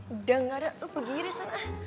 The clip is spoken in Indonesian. udah enggak ada lo pergi deh sana